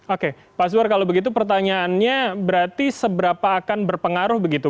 oke pak suwar kalau begitu pertanyaannya berarti seberapa akan berpengaruh begitu